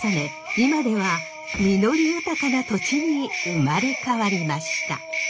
今では実り豊かな土地に生まれ変わりました。